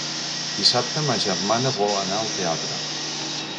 Dissabte ma germana vol anar al teatre.